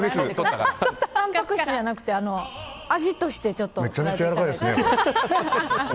たんぱく質じゃなくて味として。